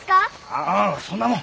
ああそんなもん！